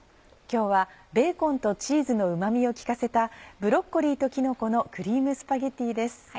今日はベーコンとチーズのうま味を利かせた「ブロッコリーときのこのクリームスパゲティ」です。